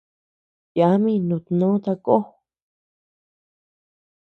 Yami nutnó takó.